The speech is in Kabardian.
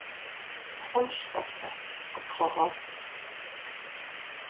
Хъунщ, тӀасэ, къысхуэгъэгъу.